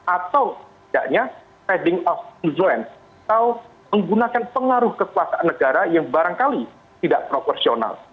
atau tidaknya trading of influence atau menggunakan pengaruh kekuasaan negara yang barangkali tidak proporsional